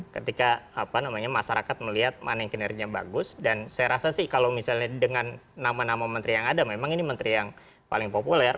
ketika masyarakat melihat mana yang kinerja bagus dan saya rasa sih kalau misalnya dengan nama nama menteri yang ada memang ini menteri yang paling populer